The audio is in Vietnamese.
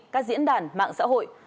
các diễn đàn mạng xã hội